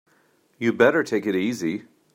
You'd better take it easy.